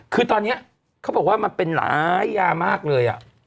คือตอนนี้เขาบอกว่ามันเป็นหลายยามากเลย